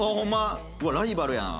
うわっライバルやん。